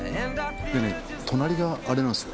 でね隣があれなんですよ